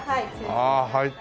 ああ入って。